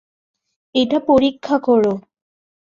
এটা পরীক্ষা কর।